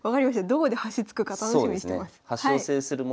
どこで端突くか楽しみにしてます。